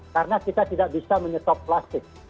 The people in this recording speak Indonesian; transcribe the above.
karena kita tidak bisa menyetop plastik